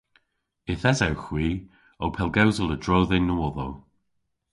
Yth esewgh hwi ow pellgewsel a-dro dhe'n nowodhow.